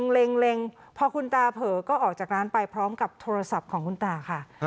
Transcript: เล็งพอคุณตาเผลอก็ออกจากร้านไปพร้อมกับโทรศัพท์ของคุณตาค่ะ